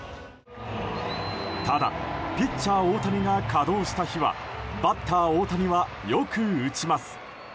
ただ、ピッチャー大谷が稼働した日はバッター大谷はよく打ちます。